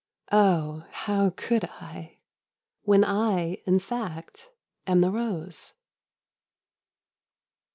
Oh, how could I When I, in fact, am the rose